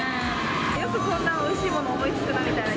よくこんなおいしいもの、思いつくなみたいな。